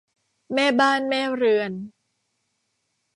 แม่บ้านแม่เรือน